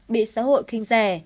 bị xã hội khinh rẻ